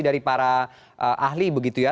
dari para ahli begitu ya